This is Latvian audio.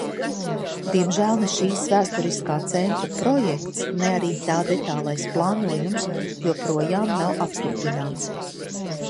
Diemžēl ne šis vēsturiskā centra projekts, ne arī tā detālais plānojums joprojām nav apstiprināts.